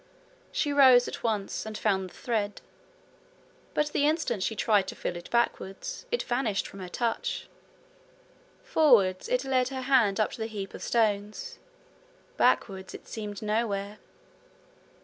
She rose at once, and found the thread. But the instant she tried to feel it backwards, it vanished from her touch. Forwards, it led her hand up to the heap of stones backwards it seemed nowhere.